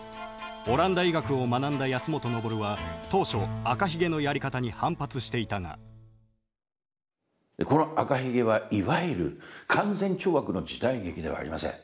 オランダ医学を学んだ保本登は当初赤ひげのやり方に反発していたがこの赤ひげはいわゆる勧善懲悪の時代劇ではありません。